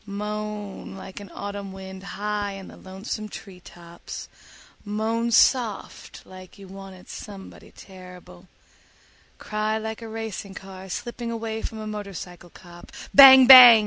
Moan like an autumn wind high in the lonesome tree tops, moan soft like you wanted somebody terrible, cry like a racing car slipping away from a motorcycle cop, bang bang!